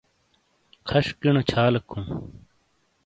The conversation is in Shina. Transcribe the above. کھَݜ کݨو چھالیک ہُوں۔